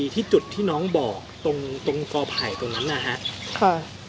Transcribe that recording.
ที่จุดที่น้องบอกตรงตรงตรงตรงนั้นอ่ะฮะค่ะ